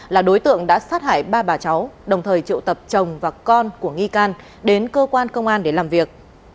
là đối tượng đã sát hại ba bà cháu đồng thời triệu tập chồng và con của nghi can đến cơ quan công an để làm việc